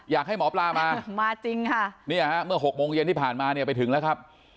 อยากให้หมอปลามามาจริงค่ะเนี่ยฮะเมื่อ๖โมงเย็นที่ผ่านมาเนี่ยไปถึงแล้วครับ